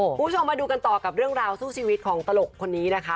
คุณผู้ชมมาดูกันต่อกับเรื่องราวสู้ชีวิตของตลกคนนี้นะคะ